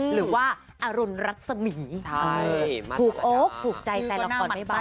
หรือว่าอรุณรัฐสมีถูกโอ๊คถูกใจแต่ละครไม่เบา